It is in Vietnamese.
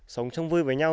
sống chung vui với nhau